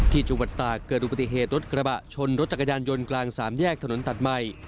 ที่จังหวัดตากเกิดอุบัติเหตุรถกระบะชนรถจักรยานยนต์กลางสามแยกถนนตัดใหม่